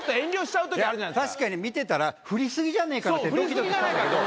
確かに見てたら「振りすぎじゃねぇか？」ってドキドキしたんだけど。